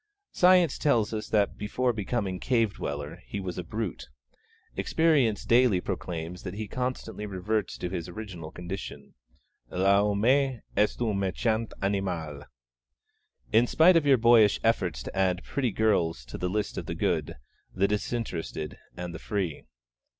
Science tells us that before becoming cave dweller he was a brute; Experience daily proclaims that he constantly reverts to his original condition. L'homme est un méchant animal, in spite of your boyish efforts to add pretty girls 'to the list of the good, the disinterested, and the free.'